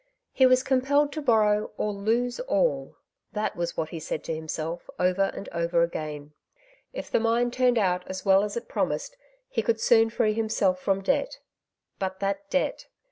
'^ He was compelled to borrow, or lose alV^ — that was what he said to himself over and over again. If the mine turned out as well as it promised he could soon free himself from debt ! But that debt